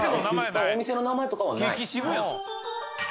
お店の名前とかはない？